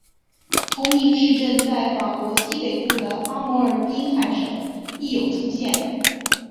同名市镇在法国西北部的阿摩尔滨海省亦有出现。